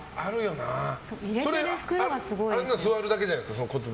あれは座るだけじゃないですか。